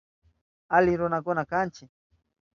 Ali runakuna kanchi.